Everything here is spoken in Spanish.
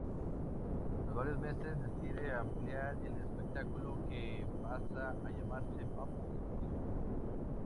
Tras varios meses decide ampliar el espectáculo, que pasa a llamarse "¡Vamos... digo yo!